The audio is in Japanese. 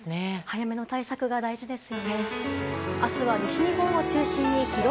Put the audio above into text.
早めの対策が大事です。